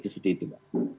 seperti itu pak